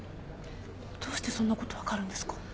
どうしてそんなこと分かるんですか？